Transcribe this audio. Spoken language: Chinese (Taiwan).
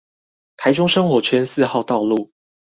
臺中生活圈四號道路